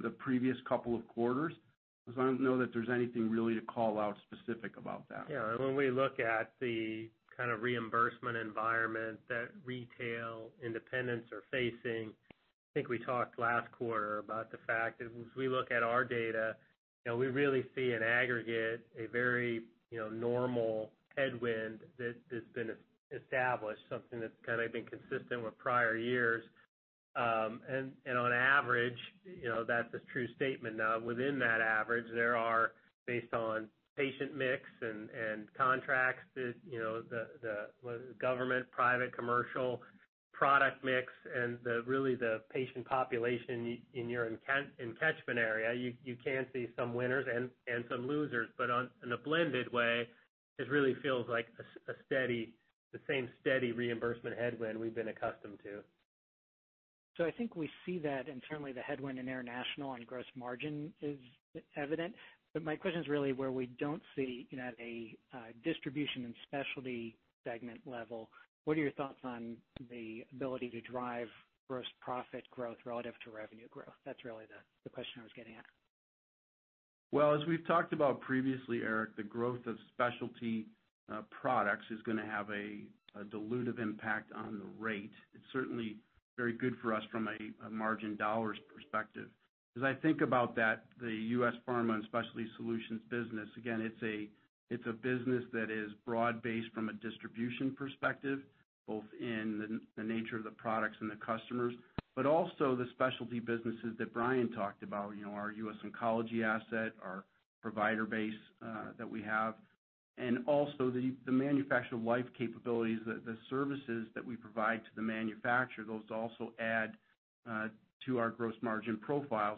the previous couple of quarters. I don't know that there's anything really to call out specific about that. Yeah. When we look at the kind of reimbursement environment that retail independents are facing, I think we talked last quarter about the fact that as we look at our data, we really see in aggregate a very normal headwind that has been established, something that's been consistent with prior years. On average, that's a true statement. Now, within that average, there are based on patient mix and contracts, the government, private, commercial product mix, and really the patient population in your catchment area, you can see some winners and some losers. In a blended way, this really feels like the same steady reimbursement headwind we've been accustomed to. I think we see that, certainly the headwind in international on gross margin is evident. My question is really where we don't see a distribution and specialty segment level, what are your thoughts on the ability to drive gross profit growth relative to revenue growth? That's really the question I was getting at. Well, as we've talked about previously, Eric, the growth of specialty products is going to have a dilutive impact on the rate. It's certainly very good for us from a margin dollars perspective. As I think about that, the U.S. Pharma and Specialty Solutions business, again, it's a business that is broad-based from a distribution perspective, both in the nature of the products and the customers, but also the specialty businesses that Brian talked about, our US Oncology asset, our provider base that we have, and also the manufacturer life capabilities, the services that we provide to the manufacturer, those also add to our gross margin profile.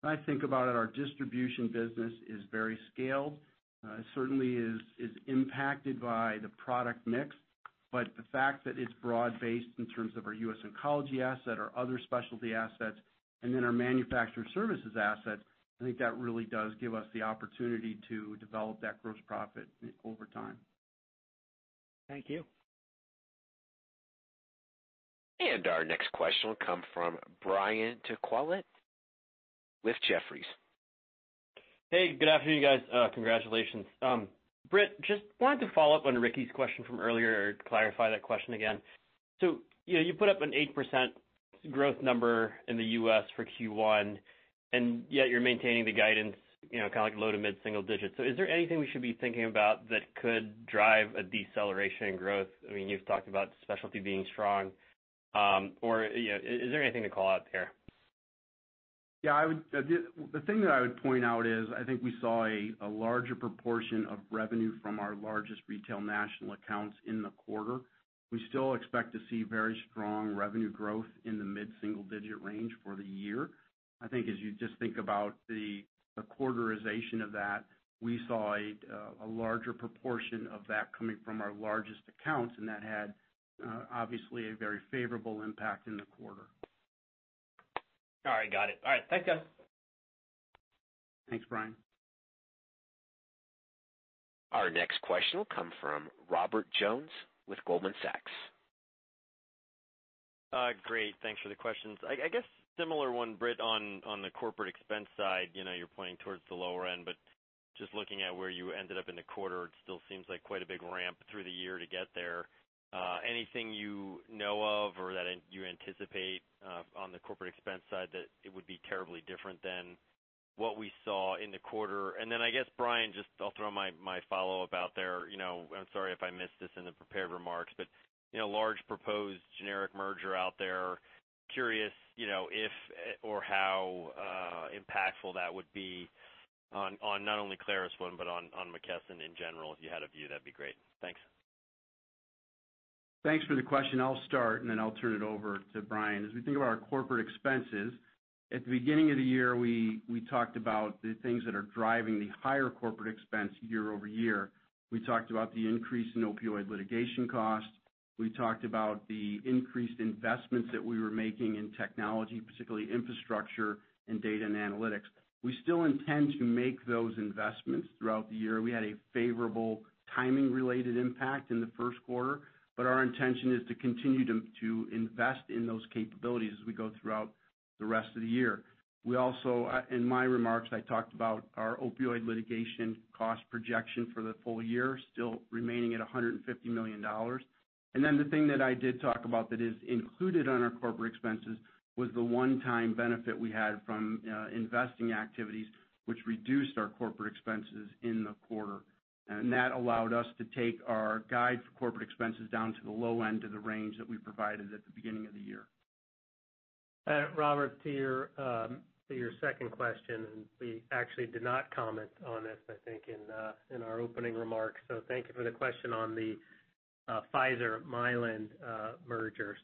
When I think about it, our distribution business is very scaled. It certainly is impacted by the product mix, but the fact that it's broad-based in terms of our US Oncology asset, our other specialty assets, and then our manufacturer services asset, I think that really does give us the opportunity to develop that gross profit over time. Thank you. Our next question will come from Brian Tanquilut with Jefferies. Hey, good afternoon, guys. Congratulations. Britt, just wanted to follow up on Ricky's question from earlier or clarify that question again. You put up an 8% growth number in the U.S. for Q1, and yet you're maintaining the guidance, low to mid single-digits. Is there anything we should be thinking about that could drive a deceleration in growth? You've talked about specialty being strong. Is there anything to call out there? Yeah. The thing that I would point out is I think we saw a larger proportion of revenue from our largest retail national accounts in the quarter. We still expect to see very strong revenue growth in the mid single-digit range for the year. I think as you just think about the quarterization of that, we saw a larger proportion of that coming from our largest accounts, and that had, obviously, a very favorable impact in the quarter. All right. Got it. All right. Thanks, guys. Thanks, Brian. Our next question will come from Robert Jones with Goldman Sachs. Great. Thanks for the questions. I guess similar one, Britt, on the corporate expense side, you're playing towards the lower end, but just looking at where you ended up in the quarter, it still seems like quite a big ramp through the year to get there. Anything you know of, or that you anticipate on the corporate expense side that it would be terribly different than what we saw in the quarter? I guess, Brian, just I'll throw my follow-up out there. I'm sorry if I missed this in the prepared remarks, large proposed generic merger out there. Curious, if or how impactful that would be on not only ClarusONE, but on McKesson in general. If you had a view, that'd be great. Thanks. Thanks for the question. I'll start, and then I'll turn it over to Brian. As we think about our corporate expenses, at the beginning of the year, we talked about the things that are driving the higher corporate expense year-over-year. We talked about the increase in opioid litigation costs. We talked about the increased investments that we were making in technology, particularly infrastructure and data and analytics. We still intend to make those investments throughout the year. We had a favorable timing-related impact in the first quarter, but our intention is to continue to invest in those capabilities as we go throughout the rest of the year. We also, in my remarks, I talked about our opioid litigation cost projection for the full year, still remaining at $150 million. The thing that I did talk about that is included on our corporate expenses was the one-time benefit we had from investing activities, which reduced our corporate expenses in the quarter. That allowed us to take our guide for corporate expenses down to the low end of the range that we provided at the beginning of the year. Robert, to your second question, we actually did not comment on this, I think, in our opening remarks. Thank you for the question on the Pfizer-Mylan merger.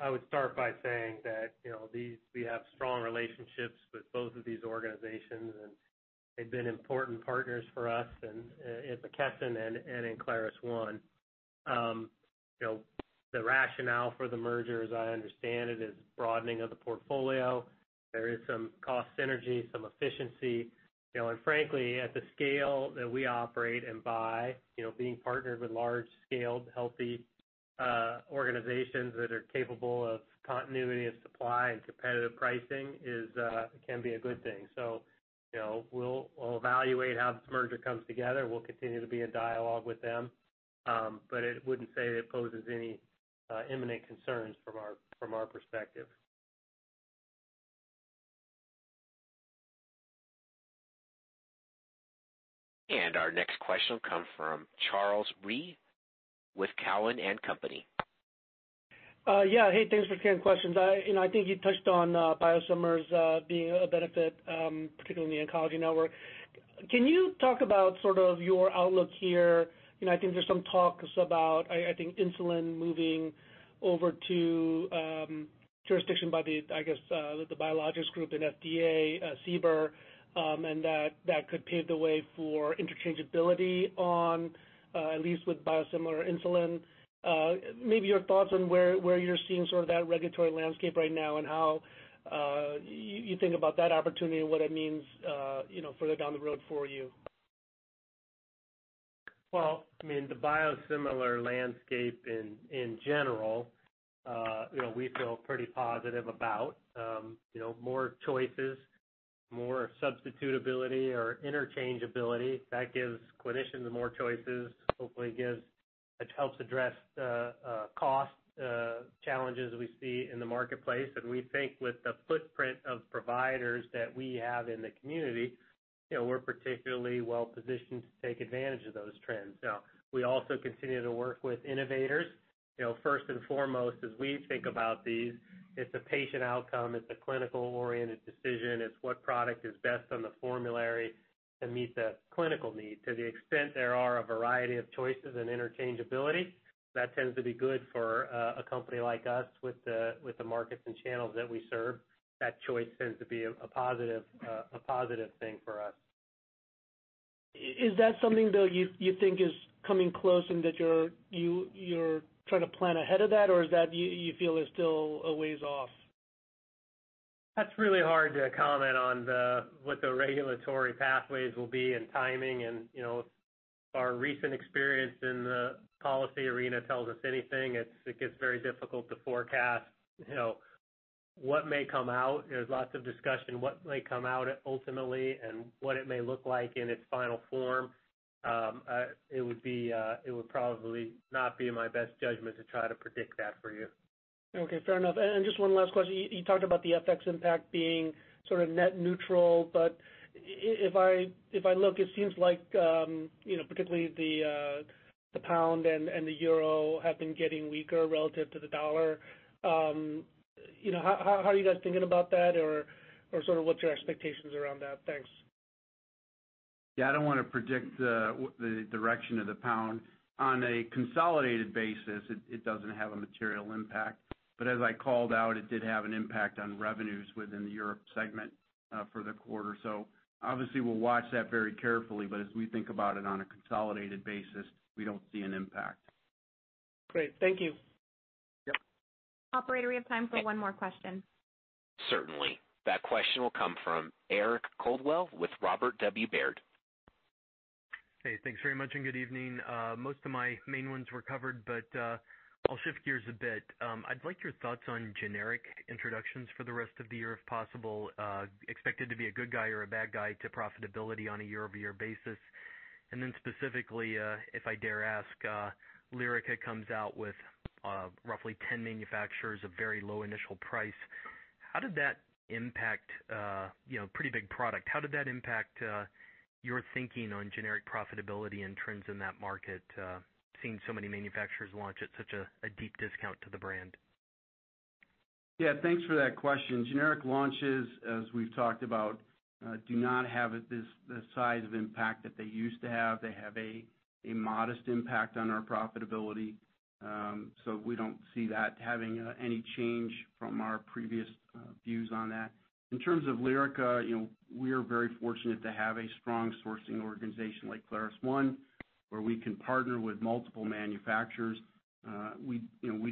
I would start by saying that we have strong relationships with both of these organizations, and they've been important partners for us, in McKesson and in ClarusONE. The rationale for the merger, as I understand it, is broadening of the portfolio. There is some cost synergy, some efficiency. Frankly, at the scale that we operate and buy, being partnered with large-scale, healthy organizations that are capable of continuity of supply and competitive pricing can be a good thing. We'll evaluate how this merger comes together. We'll continue to be in dialogue with them. I wouldn't say it poses any imminent concerns from our perspective. Our next question will come from Charles Rhyee with Cowen and Company. Yeah. Hey, thanks for taking questions. I think you touched on biosimilars being a benefit, particularly in the Oncology Network. Can you talk about sort of your outlook here? I think there's some talks about, I think, insulin moving over to jurisdiction by the, I guess, the biologics group in FDA, CBER, and that could pave the way for interchangeability on, at least with biosimilar insulin. Maybe your thoughts on where you're seeing sort of that regulatory landscape right now and how you think about that opportunity and what it means further down the road for you. Well, the biosimilar landscape in general, we feel pretty positive about. More choices, more substitutability or interchangeability, that gives clinicians more choices. Hopefully, it helps address cost challenges we see in the marketplace. We think with the footprint of providers that we have in the community, we're particularly well-positioned to take advantage of those trends. Now, we also continue to work with innovators. First and foremost, as we think about these, it's a patient outcome, it's a clinical-oriented decision. It's what product is best on the formulary to meet the clinical need. To the extent there are a variety of choices and interchangeability, that tends to be good for a company like us with the markets and channels that we serve. That choice tends to be a positive thing for us. Is that something, though, you think is coming close and that you're trying to plan ahead of that, or is that you feel is still a ways off? That's really hard to comment on what the regulatory pathways will be and timing and, if our recent experience in the policy arena tells us anything, it gets very difficult to forecast what may come out. There's lots of discussion what may come out ultimately and what it may look like in its final form. It would probably not be my best judgment to try to predict that for you. Okay, fair enough. Just one last question. You talked about the FX impact being sort of net neutral, but if I look, it seems like, particularly the pound and the euro have been getting weaker relative to the dollar. How are you guys thinking about that, or sort of what's your expectations around that? Thanks. Yeah, I don't want to predict the direction of the pound. On a consolidated basis, it doesn't have a material impact. As I called out, it did have an impact on revenues within the Europe segment for the quarter. Obviously, we'll watch that very carefully, but as we think about it on a consolidated basis, we don't see an impact. Great. Thank you. Yep. Operator, we have time for one more question. Certainly. That question will come from Eric Coldwell with Robert W. Baird. Hey, thanks very much, and good evening. Most of my main ones were covered. I'll shift gears a bit. I'd like your thoughts on generic introductions for the rest of the year, if possible, expected to be a good guy or a bad guy to profitability on a year-over-year basis. Specifically, if I dare ask, Lyrica comes out with roughly 10 manufacturers, a very low initial price. Pretty big product. How did that impact your thinking on generic profitability and trends in that market, seeing so many manufacturers launch at such a deep discount to the brand? Yeah, thanks for that question. Generic launches, as we've talked about, do not have the size of impact that they used to have. They have a modest impact on our profitability. We don't see that having any change from our previous views on that. In terms of Lyrica, we are very fortunate to have a strong sourcing organization like ClarusONE where we can partner with multiple manufacturers. We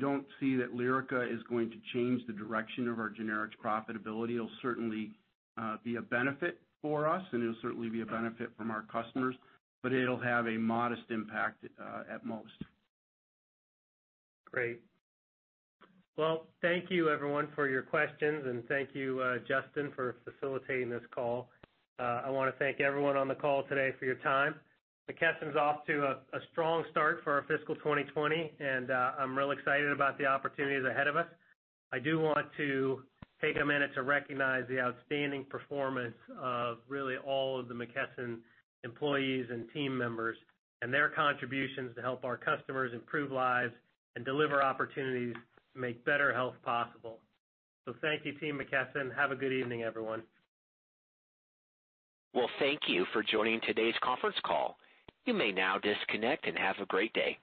don't see that Lyrica is going to change the direction of our generics profitability. It'll certainly be a benefit for us, and it'll certainly be a benefit from our customers, but it'll have a modest impact at most. Thank you everyone for your questions, and thank you, Justin, for facilitating this call. I want to thank everyone on the call today for your time. McKesson's off to a strong start for our fiscal 2020, I'm real excited about the opportunities ahead of us. I do want to take a minute to recognize the outstanding performance of really all of the McKesson employees and team members and their contributions to help our customers improve lives and deliver opportunities to make better health possible. Thank you, team McKesson. Have a good evening, everyone. Well, thank you for joining today's conference call. You may now disconnect and have a great day.